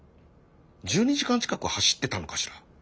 １２時間近く走ってたのかしら？